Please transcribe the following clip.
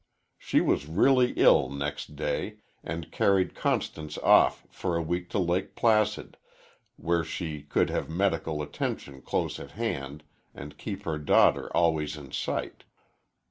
She was really ill next day, and carried Constance off for a week to Lake Placid, where she could have medical attention close at hand and keep her daughter always in sight.